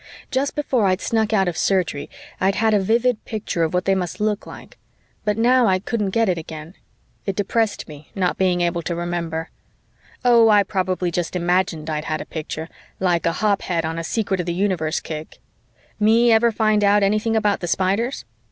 Just before I snuck out of Surgery, I'd had a vivid picture of what they must look like, but now I couldn't get it again. It depressed me, not being able to remember oh, I probably just imagined I'd had a picture, like a hophead on a secret of the universe kick. Me ever find out anything about the Spiders?